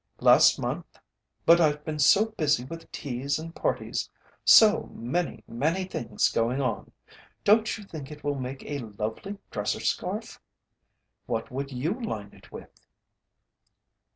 "Last month, but I've been so busy with teas and parties so many, many things going on. Don't you think it will make a lovely dresser scarf? What would you line it with?"